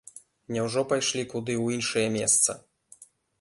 Няўжо пайшлі куды ў іншае месца?